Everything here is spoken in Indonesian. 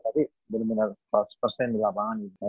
tapi bener bener seratus di lapangan gitu